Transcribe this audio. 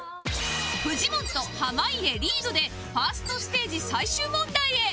フジモンと濱家リードでファーストステージ最終問題へ